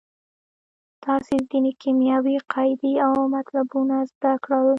تاسې ځینې کیمیاوي قاعدې او مطلبونه زده کړل.